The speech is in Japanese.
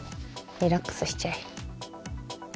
リラックスしちゃえ。